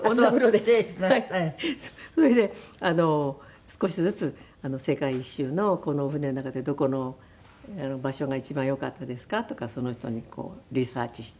それで少しずつ「世界一周のこの船の中でどこの場所が一番良かったですか？」とかその人にリサーチして。